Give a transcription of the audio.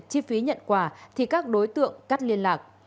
chi phí nhận quà thì các đối tượng cắt liên lạc